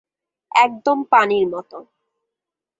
একদম পানির মত।